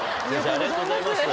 ありがとうございます。